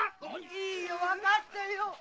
いいよわかったよ。